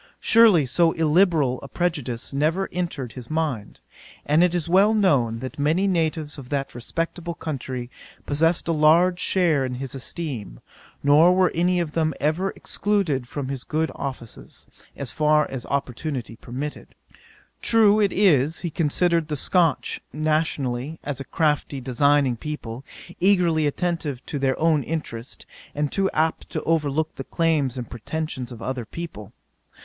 Surely, so illiberal a prejudice never entered his mind: and it is well known, many natives of that respectable country possessed a large share in his esteem; nor were any of them ever excluded from his good offices, as far as opportunity permitted. True it is, he considered the Scotch, nationally, as a crafty, designing people, eagerly attentive to their own interest, and too apt to overlook the claims and pretentions of other people.